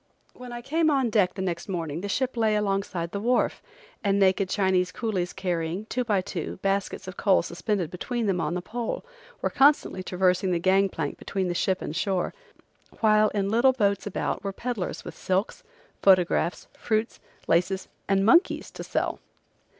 When I came on deck time next morning the ship lay along side the wharf, and naked Chinese coolies carrying, two by two, baskets of coal suspended between them on a pole, were constantly traversing the gang plank between the ship and shore, while in little boats about were peddlers with silks, photographs, fruits, laces and monkeys to sell.